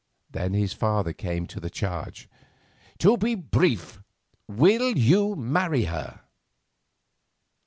Then his father came to the charge. "To be brief, will you marry her?"